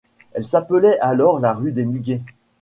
Elle s'appelait alors la rue des Muguets.